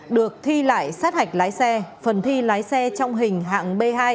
được thi lại sát hạch lái xe phần thi lái xe trong hình hạng b hai